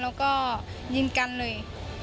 แล้วก็ยิงกันเลย